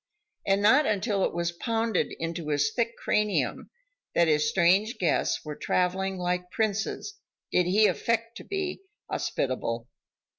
And not until it was pounded into his thick cranium, that his strange guests were traveling like princes did he affect to be hospitable.